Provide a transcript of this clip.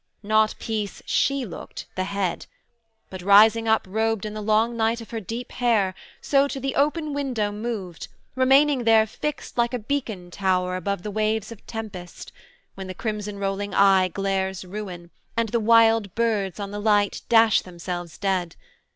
Not peace she looked, the Head: but rising up Robed in the long night of her deep hair, so To the open window moved, remaining there Fixt like a beacon tower above the waves Of tempest, when the crimson rolling eye Glares ruin, and the wild birds on the light Dash themselves dead.